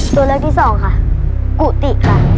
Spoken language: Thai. ตัวเลือกที่สองค่ะกุฏิค่ะ